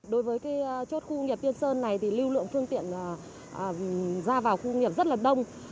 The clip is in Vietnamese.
đối với chốt khu nghiệp tiên sơn này thì lưu lượng phương tiện ra vào khu nghiệp rất là đông